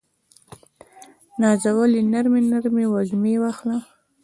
نازولې نرمې، نرمې وږمې واخله